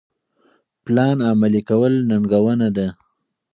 پلان عملي کول ننګونه ده.